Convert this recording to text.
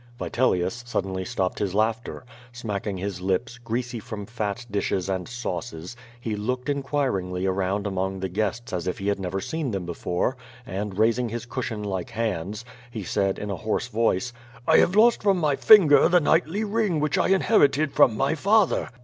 Vitelius suddenly stopped his laughter. Smacking his lips, greasy from fat dishes and sauces, he looked inquiringly around among the guests as if he had never seen them be fore, and raising his cushion like hands, he said in a hoarse voice: "I have lost from my finger the knightly ring which I inherited from my father."